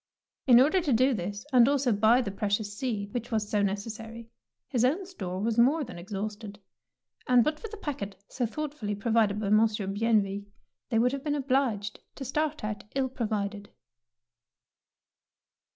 In order to do this, and also buy the precious seed which was so necessary, his own store was more than exhausted, and but for the packet so thoughtfully provided by Monsieur Bienville they would have been obliged to start out ill provided.